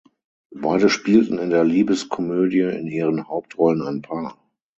Beide spielten in der Liebeskomödie in ihren Hauptrollen ein Paar.